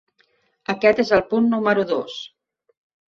Aquest és el punt número dos.